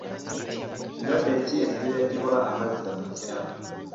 Ndwadde ki ezireetebwa amazzi amakyafu?